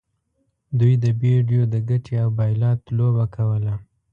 دوی د بیډیو د ګټې او بایلات لوبه کوله.